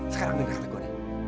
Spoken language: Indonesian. sekarang dengar tegur gue